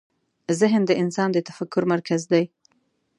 ذهن د انسان د تفکر مرکز دی.